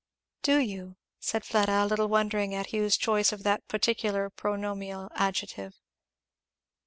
"Do you?" said Fleda, a little wondering at Hugh's choice of that particular pronominal adjective.